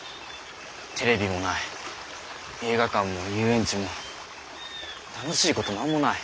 テレビもない映画館も遊園地も楽しいこと何もない。